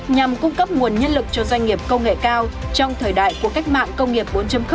nhằm cung cấp nguồn nhân lực cho doanh nghiệp công nghệ cao trong thời đại của cách mạng công nghiệp bốn